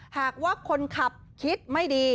หากว่าคนขับคิดไม่ดี